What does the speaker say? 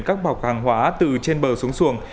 các bọc hàng hóa từ trên bờ xuống xuồng